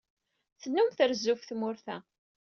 Tennum trezzu-d ɣef tmurt-a.